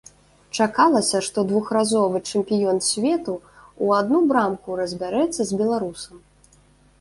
Чакалася, што двухразовы чэмпіён свету ў адну брамку разбярэцца з беларусам.